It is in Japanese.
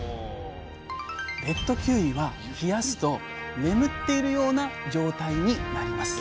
レッドキウイは冷やすと眠っているような状態になります。